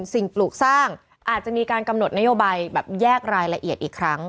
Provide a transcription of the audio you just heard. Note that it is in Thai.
สิ่งปลูกสร้างอาจจะมีการกำหนดนโยบายแบบแยกรายละเอียดอีกครั้ง